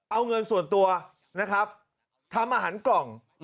เอาเงินส่วนตัวทำอาหารกล่อง